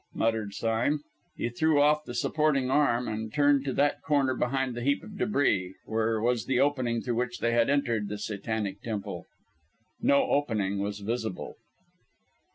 muttered Sime. He threw off the supporting arm, and turned to that corner behind the heap of débris where was the opening through which they had entered the Satanic temple. No opening was visible!